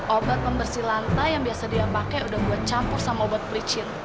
obat pembersih lantai yang biasa dia pake udah gue campur sama obat pericin